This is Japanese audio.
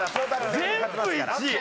全部１！？